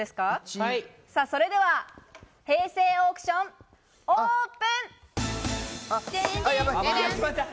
それでは平成オークション、オープン！